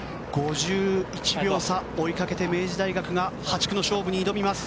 ５１秒差を追いかけて明治大学が８区の勝負に挑みます。